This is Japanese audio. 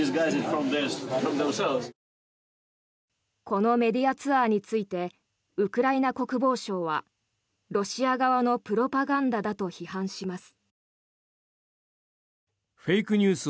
このメディアツアーについてウクライナ国防省はロシア側のプロパガンダだと批判します。